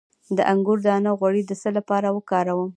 د انګور دانه غوړي د څه لپاره وکاروم؟